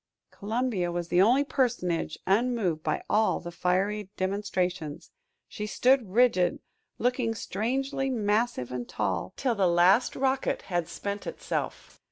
Columbia was the only personage unmoved by all the fiery demonstrations; she stood rigid, looking strangely massive and tall, till the last rocket had spent itself.